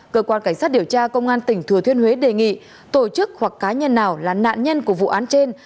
cơ quan cảnh sát điều tra công an tỉnh thừa thiên huế đề nghị tổ chức hoặc cá nhân nào là nạn nhân của vụ án trên